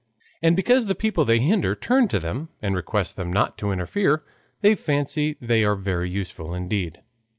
And because the people they hinder turn to them and request them not to interfere, they fancy they are very useful indeed.